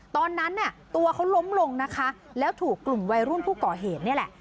ตอนนั้นเนี่ยตัวเขาล้มลงนะคะแล้วถูกกลุ่มวัยรุ่นผู้ก่อเหตุนี่แหละ